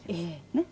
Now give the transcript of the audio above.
ねっ。